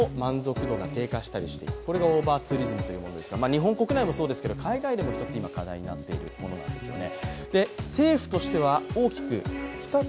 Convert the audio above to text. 日本国内もそうですけど、海外でも今、課題になっているものなんですよね。